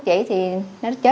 sẽ thiết kế